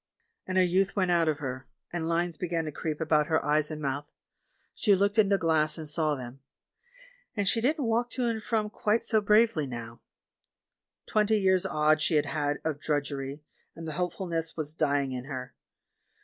And her youth went out of her, and lines began to creep about her eyes and mouth — she looked in the glass and saw them — and she didn't walk to and from quite so bravely now. Twenty years odd she had had of drudgery, and the hopefulness was dying in her.